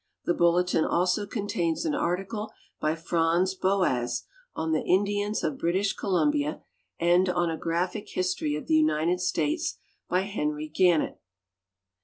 The bulletin also contains an article by Franz Boas on the Indians of Britisli Columbia and on a Graphic History of the United States by Henry Gannett.